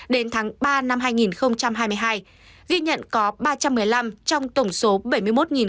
đến tháng ba năm hai nghìn hai mươi hai ghi nhận có ba trăm một mươi năm trong tổng số bảy mươi một bảy mươi sáu trẻ mắc covid một mươi chín